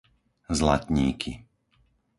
Zlatníky